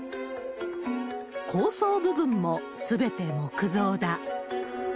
高層部分もすべて木造だ。